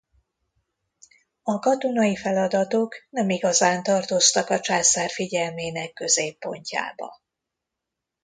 A katonai feladatok nem igazán tartoztak a császár figyelmének középpontjába.